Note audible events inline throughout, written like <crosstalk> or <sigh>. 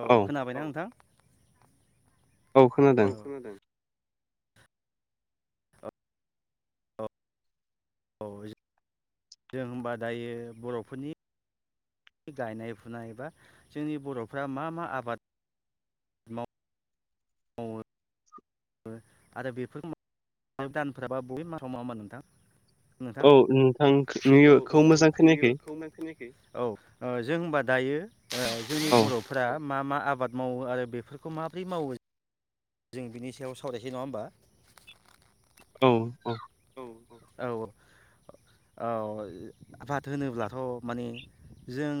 औ खोनाबायना नोंथां? औ जों होनबा दायो बर'फोरनि गायनाय फुनाय बा जोंनि बर'फ्रा मा मा आबाद आरो बेफोर दानफोराबा बबे मासाव मा मा नोंथां? नोंथां औ नोंथां <unintelligible> औ जों होनबा दायो जोंनि बर'फोरा मा मा आबाद मावो आरो बेफोरखौ माबोरै मावो जों बिनि सायाव सावरायसै नङा होमबा औ - औ औ - औ आबाद होनोब्लाथ' माने जों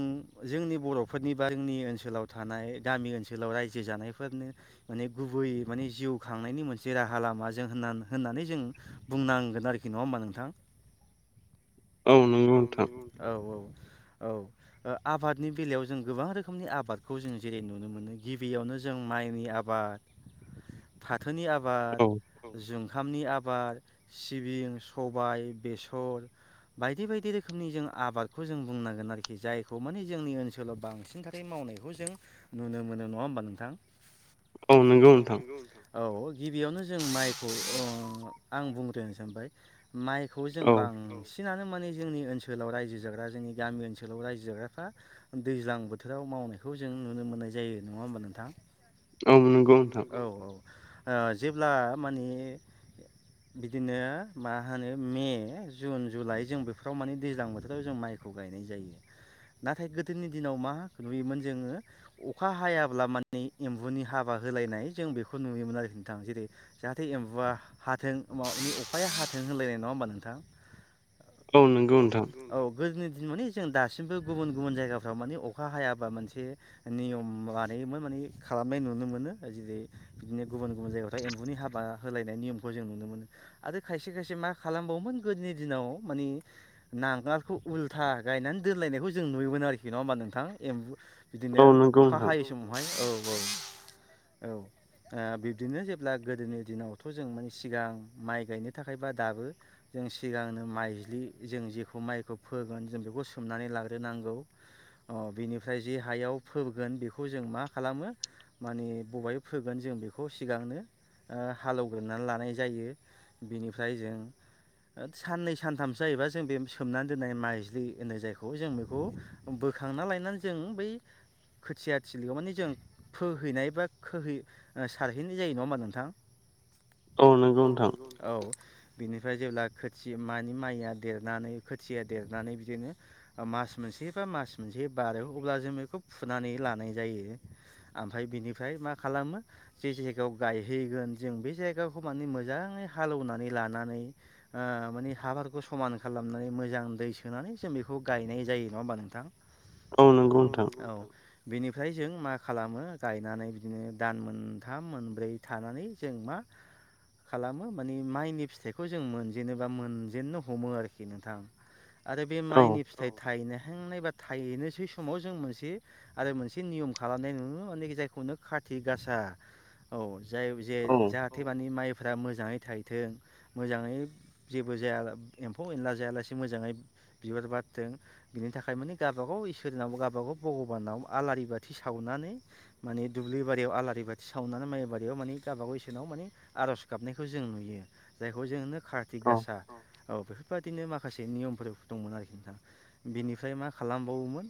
जोंनि बर'फोरनि बा जोंनि ओनसोलाव थानाय गामि ओनसोलाव रायजो जानायफोरनो माने गुबै माने जिउ खांनायनि मोनसे राहा लामा जों होननानै जों बुंनांगोन आरोखि नङा होमबा नोंथां, औ नंगौ नोंथां, औ - औ - औ औ ओ आबादनि बेलायाव जों गोबां रोखोमनि आबादखौ जों जेरै नुनो मोनो गिबियावनो जों माइनि आबाद फाथोनि आबाद जु खामनि आबाद सिबिं, सबाय, बेसर बायदि बायदि रोखोमनि जों आबादखौ जों बुंनांगोन आरोखि जायखौ माने जोंनि ओनसोलाव बांसिन थाखाय मावनाय जों नुनो मोनो नङा होमबा नोंथां, औ नंगौ गिबियावनो जों माइखौ अ आं बुंग्रोनो सानबाय माइखौ जों बांसि नानो माने जोंनि ओनसोलाव रायजो जाग्रा जोंनि गामि ओनसोलाव रायजो जाग्राफ्रा दैज्लां बोथोराव मा वनायखौ जों नुनो मोननाय जायो नङा होमबा नोंथां औ नंगौ नोंथां ओ जेब्ला माने बिदिनो मा होनो मे जुन जुलाइ जों बेफोराव माने दैज्लां बोथोराव जों माइखौ गायनाय जायो नाथाय गोदोनि दिनाव मा नुयोमोन जोङो अखा हायाब्ला माने एम्बुनि हाबा होलायनाय जों बेखौ नुयोमोन आरो नोंथां जेरै जाहाथे एम्बुवा हाथों माने अखाया हाथों होनलायनाय नङा होमबा नोंथां औ नंगौ नोंथां गोदोनि दिन माने जों दासिमबो गुबुन गुबुन जायगाफ्राव माने अखा हायाबा मोनसे नियम माने होयोमोन माने खालामनाय नुनो मोनो जेरै बिदिनो गुबुन गुबुन जायगायावथाय एम्बुनि हाबा होलायनाय नियमखौ जों नुनो मोनो आरो खायसे खायसे मा खालामबावोमोन गोदोनि दिनाव मानि नांगालखौ उल्था गायनानै दोनलायनायखौ जों नुयोमोन आरोखि नङा होमबा नोंथां एम्बु बिदिनो अखा हायै समावहाय औ <inaudible> औ ओ बिब्दिनो जेब्ला गोदोनि दिनावथ' जों मानिे सिगां माइ गायनो थाखाय बा दाबो जों सिगांनो माइ ज्लि जों जेखौ माइखौ फोगोन जों बेखौ सोमनानै लाग्रो नांगौ अ बिनिफ्राय जे हायाव फोगोन बेखौ जों मा खालामो माने बबाय फोगोन जों बेखौ सिगांनो ओ हालेवग्रोना लानाय जायो बिनिफ्राय जों साननै सानथामसो जायोबा जों बे सोमनानै दोननाय माइज्लि होनो जायखौ जों बेखौ बोखांना लायनानै जों बै खोथिया थिलियाव माने जों फोहैनाय बा खोहै सारहैनाय जायो नङा होमा नोंथां औ नंगौ नोंथां बिनिफ्राय जेब्ला खोथि मानि माइया देरनानै खोथिया देरनानै बिदिनो मास मोनसे बा मास मोनसे बारो अब्ला जों बेखौ फुनानै लानाय जायो आमफ्राय बिनिफ्राय मा खालामो जे याव गायहैगोन जों बे जायगाखौ माने मोजाङै हालेवनानै लानानै ओ माने हा फोरखौ समान खालामनानै मोजां दै सोनानै जों बेखौ गायनाय जायो नङा होमबा नोंथां औ नंगौ, बेनिफ्राय जों मा खालामो गायनानै बिदिनो दान मोनथाम मोनब्रै थानानै जों मा खालामो माने माइनि फिथाइखौ जों मोनजेनोबा मोन जेननो हमो आरोखि नोंथां आरो बे माइनि फिथाइ थायनोहेंनाय बा थायहैनोसै समाव जों मोनसे आरो मोनसे नियम खालामनाय नु मानेके जाय खुननो खाथि गासा औ जाय जे जाहाथे माने माइफ्रा मोजाङै थायथों मोजाङै जेबो जाया एम्फौ एनला जायालासे मोजाङै बिबार बारथों बिनि थाखाय माने गावबागाव इसोरनाव गाब <unintelligible> भगबानाव आलारि बाथि सावनानै माने दुब्लि बारियाव आलारि बाथि सावनानै माइबारियाव माने गाबा गाव इसोनाव माने आर'ज गाबनायखौ जों नुयो जायखौ जोंनो कार्तिक गासा। औ बेफोरबायादिनो माखासे नियमफोर दंमोन आरोखि नोंथां बिनिफ्राय मा खालामबावोमोन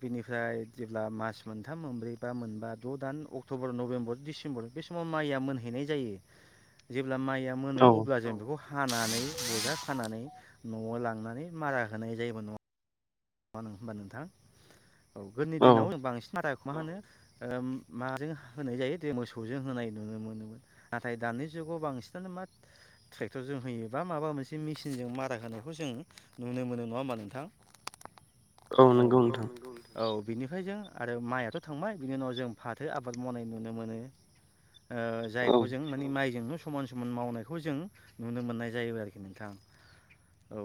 बेनिफ्राय जेब्ला मास मोनथाम मोनब्रै बा मोनबा द' दान अक्ट'बर नभेम्बर डिसेम्बर बे बे समाव माइया मोनहैनाय जायो जेब्ला माइया मोनो अब्ला जों बेखौ हानानै बजा खानानै न'आव लांनानै मारा होनाय जायोमोन न' <unintelligible> होमबा नोंथां औ गोदोनि दिनाव बांसिन <unintelligible> मा होनो ओ माजों होनाय जायो मोसौजों होनाय नुनो मोनोमोन नाथाय दानि जुग <unintelligible> बांसिनानो मा ट्रेक्टरजों होयोबा माबा मोनसे मिसिनजों मारा होनायखौ जों नुनो नो मोनो नङा होमबा नोंथां? औ औ नोंगौ <inaudible> औ बिनिफ्राय जों आरो माइआथ' थांबाय बिनि उनाव जों फाथो आबाद मावनाय नुनो मोनो ओ जायखौ जों मानि माइजोंनो स समान समान मावनायखौ जों नुनो मोननाय जायो आरोखि नोंथां। औ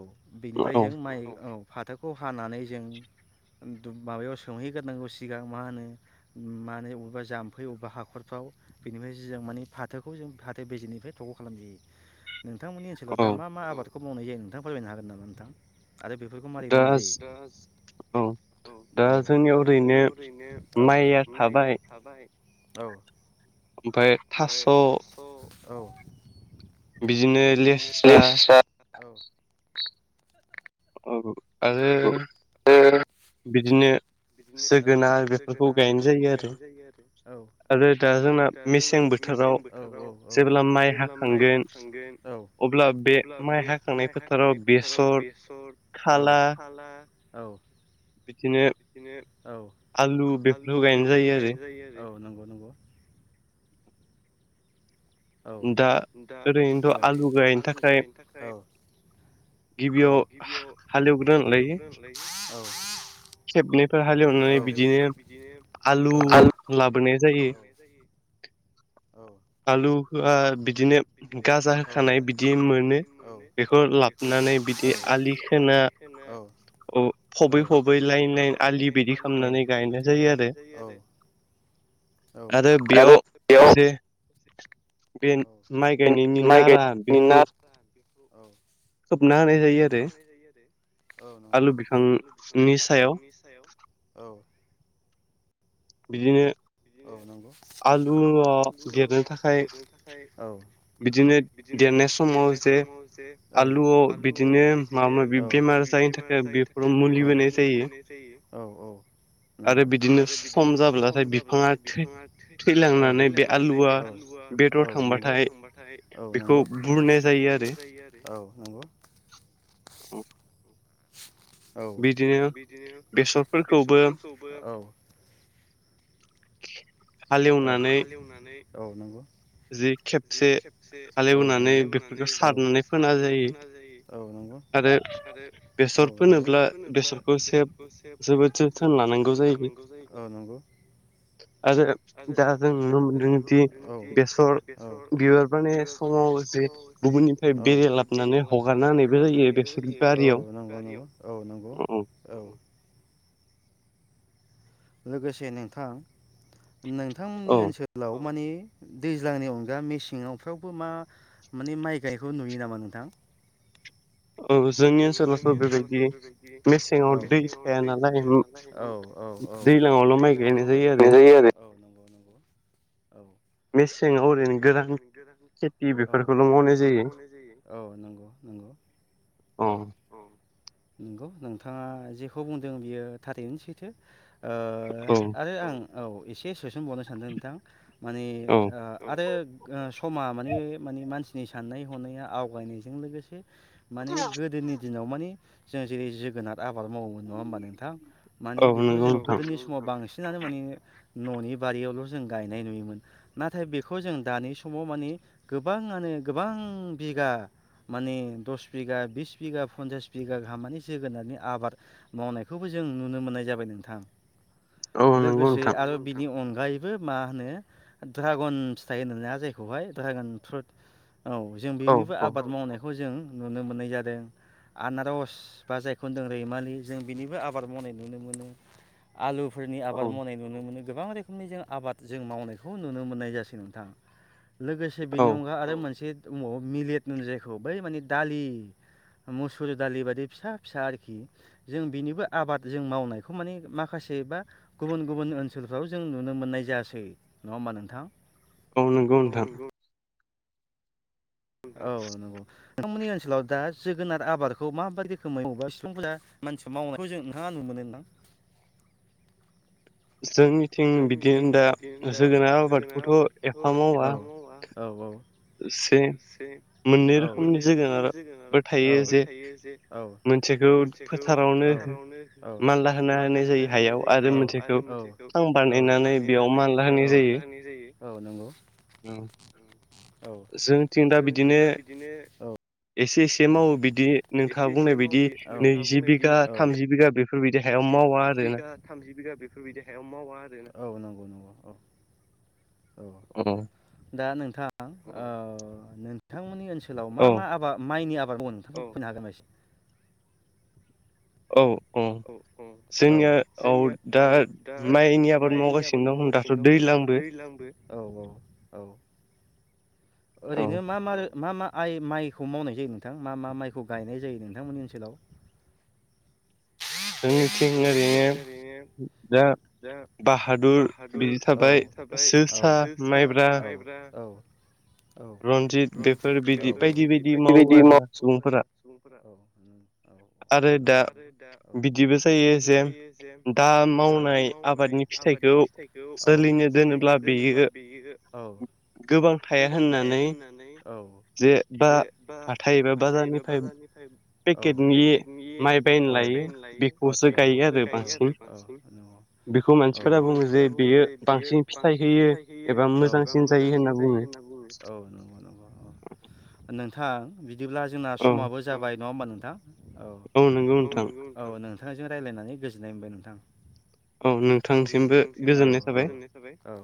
बेनिफ्राय जों माइ औ फाथोखौ हानानै जों ओ दुब माबायाव सोमहैग्रोनांगौ सिगां मा होनो उम मा होनो अबबा जाम्फै अबबा हाखरफा आव बेनिफाय जों माने फाथोखौ जों फाथो बेजेनिफ्राय थख' खालामनाय जायो। नोंथांमोननि ओनसोलाव दा मा मा आबादखौ मावनाय जायो नोंथां फोरमायनो हागोन नामा नोंथां आरो बे फोरखौ मारै मावनाय जायो <unintelligible> औ औ दा जोंनि ओरैनो औ माइया थाबाय औ ओमफाय थास' औ बिदिनोे लेस्रा औ। औ आरो बिदिनो बिदिनो औ जोगोनार बेफोरखौ गायनाय जायो आरो औ आरो दा जोंना मे सें बोथोराव--औ औ औ जेब्ला माइ हाखांगोन औ अब्ला बे माइ हा खांनाय फोथाराव बेसर औ खाला औ दिनो औ आलु बेफोरखौ गायनाय जायो आरो औ नंगौ नंगौ। औ दा ओरैनोथ' आलु गायनो थाखाय औ गिबियाव हालेवग्रोना लायो औ खेबनै फोर हालेव नानै बिदिनो आलु <inaudible> जायो। <inaudible> खौ होआ बिदिनो गाजा होखानाय बिदि मोनो बेखौ लाबनानै बिदि दि आलि खोना अ फबै फबै लाइन लाइन आलि बिदि खालामनानै गायनाय जायो आरो। आरो बेयाव जे बे माइ गायनायनि नारा बेखौ खोबना होनाय जायो आरो औ नंगौ आलु बिफांनि सायाव। औ बिदिनो औ नंगौ आलुआव देरनो थाखाय औ बिदिनो देरनाय समाव जे आलुआव बिदिनो माबा मबि बेमार बेमार जायिनि थाखाय बे--औ मुलि होनाय जायो औ औ। आरो बिदिनो सम जाब्लाथाय बिफाङा औ औ औ नंगौ औ नंगौ औ नंगौ। औ औ बिदिनो बेसरफोरखौबो औ <inaudible> औ औ नंगौ औ नंगौ औ औ नंगौ औ नंगौ औ नंगौ। आरो दा जों नुनो मोनदोंदि बेसर बिबार बारनाय समाव जे गुबुननिफ्राय बेरे लाबनानै हगारनानै होनायबो जा औ नंगौ नंगौ औ नंगौ औ लोगोसे नोंथां नोंथांमोननि ओनसोलाव माने दैज्लांनि अनगा मेसेङावफ्रावबो मा माने माइ गायनायखौ नुयो नामा नोंथां? औ जोंनि ओनसोलावथ' बेबायदि मेसेङाव दै थाया नालाय। दैज्लांवाल' माइ गायनाय जायो आरो। सेङाव ओरैनो गोरान खेथि औ औ नंगौ नगौ औ नंगौ नोंथाङा जेखौ बुंदों बियो थारैनो सैथो। औ औ एसे सोसन बावनो सानदों नोंथां माने ओ आरो ओ समा माने माने मानसिनि साननाय हनाया आवगायनायजों लोगोसे माने गोदोनि दिनाव माने जों जेरै- जोगोनार आबाद मावोमोन नङा होमबा नोंथां माने बेखौ जों गोदोनि समाव बांसिन सिनानो माने न'नि बारियावल' जों गायनाय नुयोमोन। नाथाय बेखौ जों दानि समाव माने गोबाङानो गोबां बिगा माने दस बिगा बिस बिगा पन्सास बिगा गाहाम जोगोनारनि आबाद मावनायखौबो जों नुनो मोननाय जाबाय नोंथां। लोगोसे आरो बिनि अनगायैबो मा होनो ड्रागन फिथाइ होनोना जायखौहाय ड्रागन फ्रुट औ जों बेनिबो आबाद मावनाय खौ जों नुनो मोननाय जादों। आनारस बा जायखौ होनदों रैमालि जों बिनिबो आबाद मावनाय नुनो मोनो। आलुफोरनि आबाद मावनाय नुनो मोनो गोबां रोखोमनि जों आबाद जों मावनाय खौ नुनो मोननाय जासै नोंथां। लोगोसे बेनि अनगा आरो मोनसे दंबावो मिलेट होनो जायखौ बै माने दालि मुसुर दालि बायदि फिसा फिसा आरोखि जों बिनिबो आबाद जों मावनायखौ माने माखासे से बा गुबुन गुबुन ओनसोलफ्राव जों नुनो मोननाय जायासै नङा होमबा नोंथां? औ नंगौ नोंथां। औ नंगौ। नोंथांमोननि ओनसोलाव दा जोगोनार आबादखौ माबायदि रोखोमै <unintelligible> मानसिफोरा मावनायखौ जों नोंथाङा नुनो मोनो नोंथां? जोंनिथिं बिदिनो दा जोगोनार आबादखौथ' एफा मावा। औ औ औ। से मोननै रोखोमनि जोगोनारबो थायो। जे मोनसेखौ मानला होना होनाय जायो हायाव आरो मोनसेखौ सां सां बानायनानै बेयाव मानला होनाय जायो। जोंथिं दा बिदिनो एसे एसे मावो बिदि नोंथाङा बुंनाय बायदि नैजि बिघा थामजि बिगा बे औ नंगौ नंगौ औ औ दा नोंथां ओ नोंथांमोननि ओनसोल ओनसोलाव मा मा आबाद माइनि आबाद मावो नोंथां <unintelligible> हागोन इसे? औ मम जोङो औ दा माइनि आबाद मावगासिनो दं दाथ' दैलां दैजलांबो औ औ औ <inaudible> ओरैनो मा मा रो मा मा आइ माइखौ मावनाय जायो नोंथां मा मा माइखौ गायनाय जायो नोंथांमोननि ओनसोलाव? <inaudible> जोंनिथिं ओरैनो दा बाहादुर बिदि थाबाय। औ जोसा औ मइब्रा औ रन्जित बेफोर बिदि बायदि बायदि मावो आरोना सुबुंफोरा। आरो दा बिदिबो बिदिबो जायो जे दा मावनाय आबादनि फिथाइखौ औ सोलिनो द जेनेबा बेयो औ गो गोबां थाया होननानै औ जे बा हाथाइ एबा बाजारनिफ्राय पेकेटनि माइ बायनो लायो बेखौसो गायो आरो बांसिन बेखौ मानसिफोरा बुङो जे बेयो बांसिन फिथाइ होयो एबा मोजांसिन जायो होनना बुङो। औ नंगौ नंगौ नंगौ नोंथां बिदिब्ला जोंना समाबो जाबाय। नङा होमबा नोंथां औ <inaudible> औ नोंथांजों राय्लायनानै गोजोननाय मोनबाय नोंथां। औ नोंथांसिमबो औ गोजोननाय थाबाय औ।